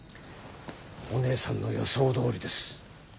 お姉さんの予想どおりです。